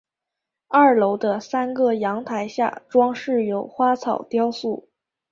二楼的三个阳台下装饰有花草雕塑。